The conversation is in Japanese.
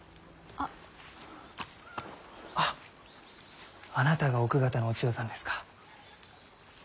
ああなたが奥方のお千代さんですか。